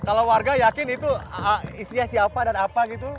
kalau warga yakin itu isinya siapa dan apa gitu